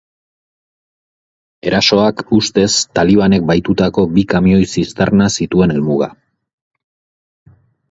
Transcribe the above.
Erasoak ustez talibanek bahitutako bi kamioi zisterna zituen helmuga.